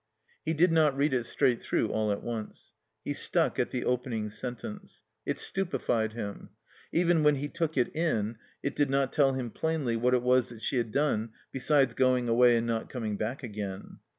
He did not read it straight through all at once. He stuck at the opening sentence. It stupefied him. Even when he took it in it did not tell him plainly what it was that she had done besides going away and not coming back again.